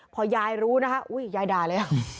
พอยายรู้นะคะอุ้ยยายด่าเลย